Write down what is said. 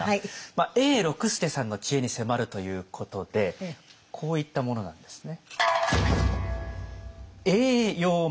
永六輔さんの知恵に迫るということでこういったものなんですね。